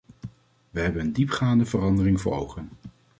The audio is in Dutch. We hebben een diepgaande verandering voor ogen.